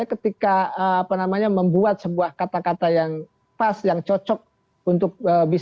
anda melihat bagaimana ini